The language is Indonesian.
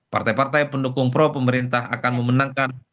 partai partai pendukung pro pemerintah akan memenangkan